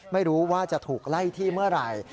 ไม่รู้ว่าจะถูกไล่ที่เมื่อไหร่